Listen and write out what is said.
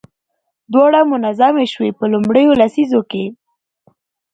دواړه منظمې شوې. په لومړيو لسيزو کې